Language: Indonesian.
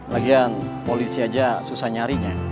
lagian polisi aja susah nyarinya